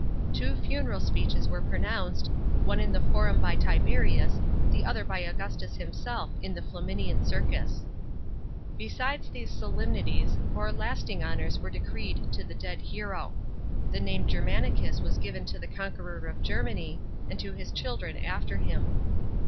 Two funeral speeches were pronounced, one in the Forum by Tiberius, the other by Augustus himself in the Flaminian Circus. Be ides these solemnities, more lasting honours were decreed to the dead hero. The name Germanicus was given to the conqueror of Germany, and to his children after him.